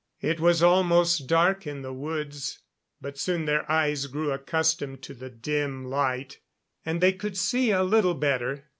It was almost dark in the woods, but soon their eyes grew accustomed to the dim light, and they could see a little better.